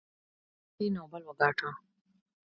تو یویو په طب کې نوبل وګاټه.